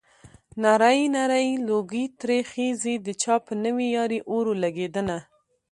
نری نری لوګی ترې خيږي د چا په نوې يارۍ اور ولګېدنه